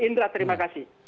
indra terima kasih